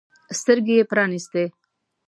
سترګې يې پرانیستې.